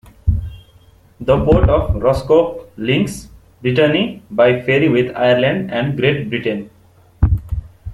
The port of Roscoff links Brittany by ferry with Ireland and Great Britain.